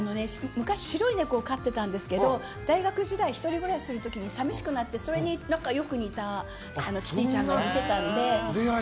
昔、白い猫を飼ってたんですけど大学時代、１人暮らしする時に寂しくなって、それによくキティちゃんが似てたので。